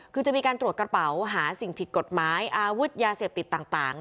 คือจะมีการตรวจกระเป๋าหาสิ่งผิดกฎหมายอาวุธยาเสพติดต่าง